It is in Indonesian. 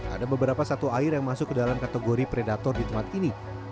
ada beberapa satu air yang masuk ke dalam kategori predator di tempat ini